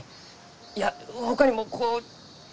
いやほかにもこう。